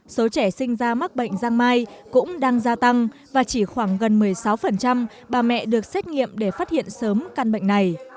số trẻ sinh ra mắc bệnh giang mai cũng đang gia tăng và chỉ khoảng gần một mươi sáu bà mẹ được xét nghiệm để phát hiện sớm căn bệnh này